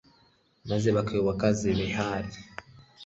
maze bayoboka za behali